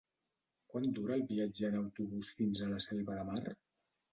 Quant dura el viatge en autobús fins a la Selva de Mar?